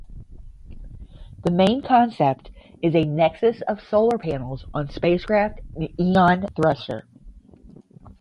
The main concept is a nexus of Solar panels on spacecraft and ion thruster.